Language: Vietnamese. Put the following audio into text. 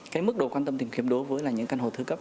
cái mức độ quan tâm tìm kiếm đối với những căn hộ thư cấp